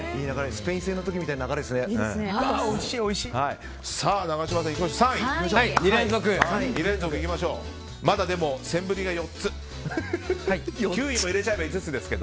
スペイン戦の時みたいな流れですね。